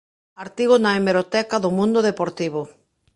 Artigo na hemeroteca do Mundo Deportivo